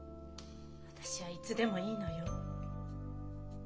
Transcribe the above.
私はいつでもいいのよ。